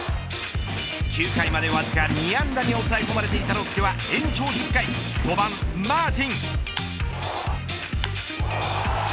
９回までわずか２安打に抑え込まれていたロッテは延長１０回５番マーティン。